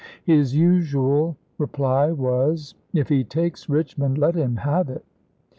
His usual reply was : "If he takes Richmond, let him have it."